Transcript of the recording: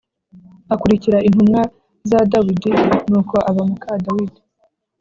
akurikira intumwa za Dawidi. Nuko aba muka Dawidi.